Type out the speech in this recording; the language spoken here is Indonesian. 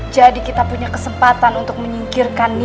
jadi kita punya kesempatan untuk menyingkirkan